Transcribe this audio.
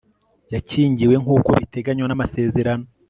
yakingiwe nk uko biteganywa n amasezerano